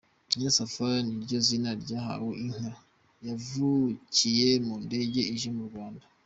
‘Nyirasafari’ niryo zina ryahawe inka yavukiye mu ndege ije mu Rwanda